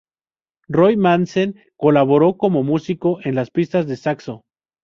Roy Madsen colaboro como músico en las pistas de saxo.